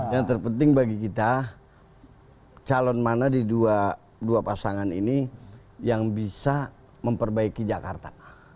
yang terpenting bagi kita calon mana di dua pasangan ini yang bisa memperbaiki jakarta